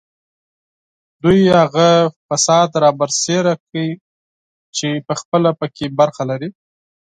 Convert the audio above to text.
دوی هغه فساد رابرسېره کوي چې پخپله په کې برخه لري